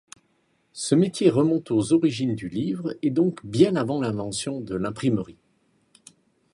Ce métier remonte aux origines du livre et donc bien avant l'invention de l'imprimerie.